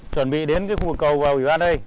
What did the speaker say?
chuẩn bị đến khu vực cầu và ủy ban đây